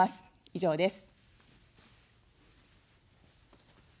以上です。